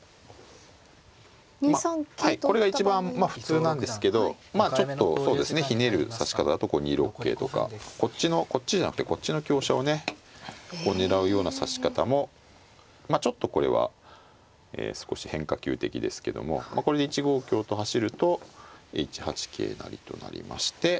まあこれが一番普通なんですけどまあちょっとそうですねひねる指し方だと２六桂とかこっちじゃなくてこっちの香車をね狙うような指し方もちょっとこれは少し変化球的ですけどもこれで１五香と走ると１八桂成と成りまして。